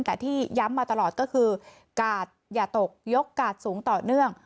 แต่ที่ย้ำมาตลอดก็คือกาดอย่าตกยกกาดสูงต่อเนื่อง